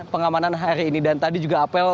pengamanan hari ini dan tadi juga apel